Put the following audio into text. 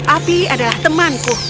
api adalah temanku